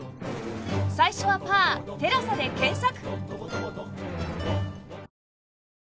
「最初はパーテラサ」で検索！